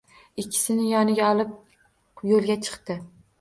Ikkisini yoniga olib yo'lga chiqdi.